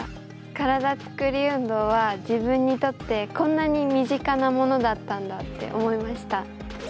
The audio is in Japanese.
体つくり運動は自分にとってこんなに身近なものだったんだって思いました。